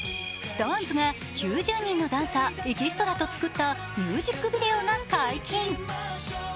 ＳｉｘＴＯＮＥＳが、９０人のダンサーエキストラと作ったミュージックビデオが解禁。